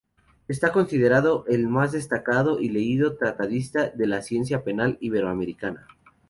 Es considerado el más destacado y leído tratadista de la ciencia penal iberoamericana.